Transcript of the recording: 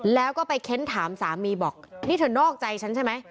แล้วก็ไปเค้นถามสามีบอกนี่เธอนอกใจฉันใช่ไหม